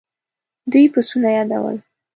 دوی پسونه يادول.